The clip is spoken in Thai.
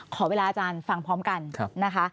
ขอเวลาอาจารย์ฟังพร้อมกันนะคะ